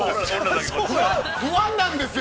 ◆不安なんですよ。